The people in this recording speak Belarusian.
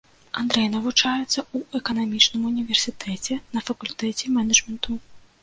Андрэй навучаецца ў эканамічным універсітэце на факультэце менеджменту.